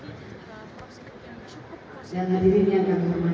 terima kasih pak